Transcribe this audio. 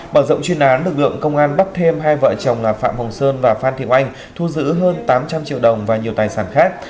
bởi dọng chuyên án lực lượng công an bắt thêm hai vợ chồng là phạm hồng sơn và phạm thiệu anh thu giữ hơn tám trăm linh triệu đồng và nhiều tài sản khác